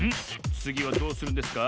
つぎはどうするんですか？